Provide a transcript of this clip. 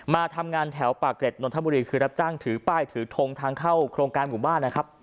มาทำงานแถวปากเกร็ดนนทบุรีคือรับจ้างถือป้ายถือทงทางเข้าโครงการหมู่บ้านนะครับ